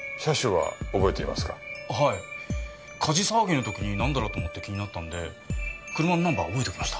火事騒ぎの時になんだろ？と思って気になったんで車のナンバーを覚えておきました。